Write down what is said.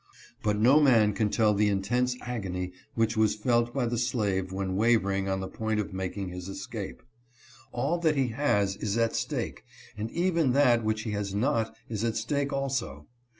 But no man can tell the intense agony which was felt by the slave when wavering on the point of making his escape. All that he has is at stake, and even that which he has not is at stake also.